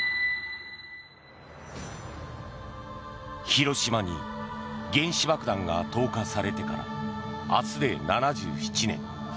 広島に原子爆弾が投下されてから明日で７７年。